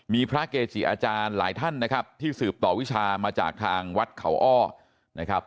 มีพระเกจิอาจารย์หลายท่านนะครับที่สืบต่อวิชามาจากทางวัดเขาอ้อนะครับ